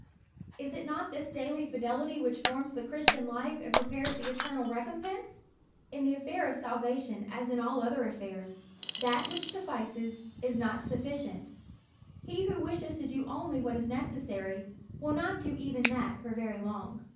Is it not this daily fidelity which forms the Christian life and prepares the eternal recom pense ? In the affair of salvation as in all other affairs, that which suffices is not suffi cient. He who wishes to do only what is necessary, will not do even that for very long.